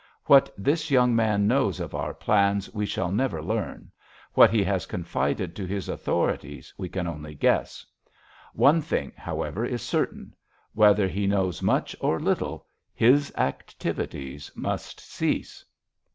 What this young man knows of our plans we shall never learn; what he has confided to his authorities we can only guess. One thing, however, is certain: whether he knows much or little, his activities must cease."